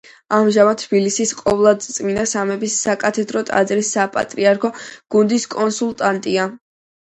ამჟამად თბილისის ყოვლადწმიდა სამების საკათედრო ტაძრის საპატრიარქო გუნდის კონსულტანტია.